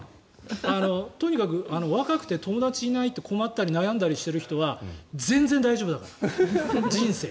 とにかく若くて友達いないって困ったり、悩んだりしている人は全然大丈夫だから、人生。